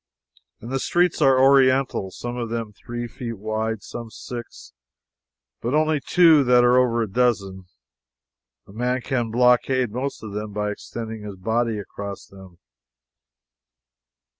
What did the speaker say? And the streets are oriental some of them three feet wide, some six, but only two that are over a dozen; a man can blockade the most of them by extending his body across them.